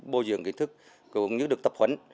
bồi dưỡng kiến thức cũng như được tập huấn